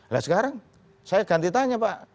nah sekarang saya ganti tanya pak